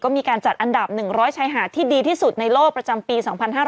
ก็มีการจัดอันดับหนึ่งร้อยชายหาดที่ดีที่สุดในโลกประจำปี๒๕๖๖